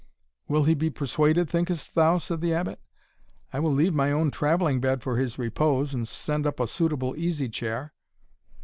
"Will he be persuaded, thinkest thou?" said the Abbot; "I will leave my own travelling bed for his repose, and send up a suitable easy chair."